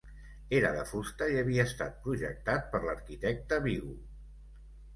Era de fusta i havia estat projectat per l'arquitecte Vigo.